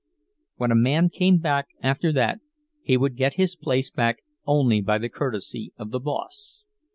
When a man came back after that, he would get his place back only by the courtesy of the boss.